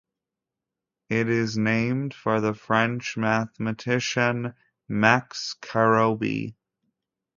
It is named for the French mathematician Max Karoubi.